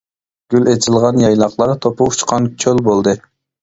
گۈل ئېچىلغان يايلاقلار، توپا ئۇچقان چۆل بولدى.